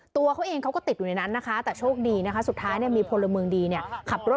ตัวเขาเองเขาก็ติดอยู่ในนั้นนะคะ